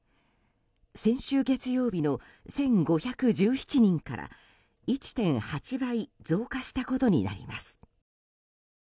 先週月曜日の１５１７人から１．８倍増加したことになります。